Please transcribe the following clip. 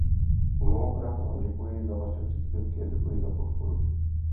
Mnohokrát vám děkuji za vaše příspěvky a děkuji za podporu.